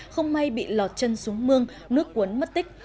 không may bị lọt chân xuống mương nước cuốn mất tích